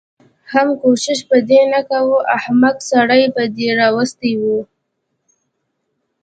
حم کوشش به دې نه کوه احمقې سړی به دې راوستی و.